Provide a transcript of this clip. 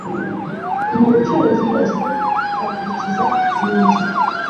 mu bucuruzi bwose bakurikiza imyanzuro